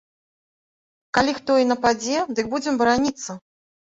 Калі хто і нападзе, дык будзем бараніцца.